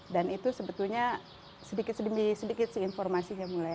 dan itu sebetulnya sedikit demi sedikit informasinya mulai